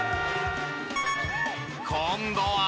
今度は。